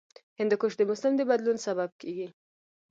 هندوکش د موسم د بدلون سبب کېږي.